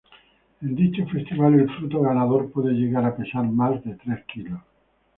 En dicho festival el fruto ganador puede llegar a pesar más de tres kilos.